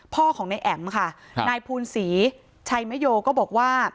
พ่อของนายแอ๋มค่ะนายภูนศรีชัยมโยก็บอกว่า